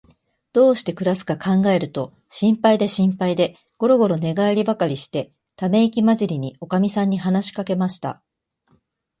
どうしてくらすかかんがえると、心配で心配で、ごろごろ寝がえりばかりして、ためいきまじりに、おかみさんに話しかけました。